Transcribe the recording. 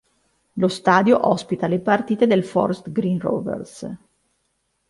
Lo stadio ospita le partite del Forest Green Rovers.